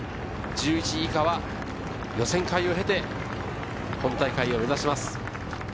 １１位以下は予選会を経て、本大会を目指します。